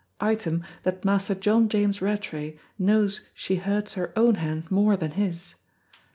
Item, that Master John James Rattray knows she hurts her own hand more than his.